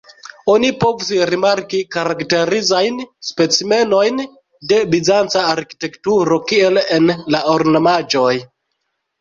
Oni povus rimarki karakterizajn specimenojn de bizanca arkitekturo, kiel en la ornamaĵoj.